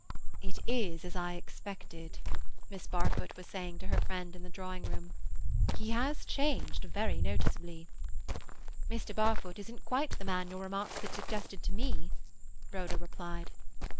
"It is as I expected," Miss Barfoot was saying to her friend in the drawing room. "He has changed very noticeably." "Mr. Barfoot isn't quite the man your remarks had suggested to me," Rhoda replied.